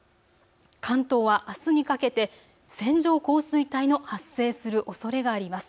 関東はあすにかけて線状降水帯の発生するおそれがあります。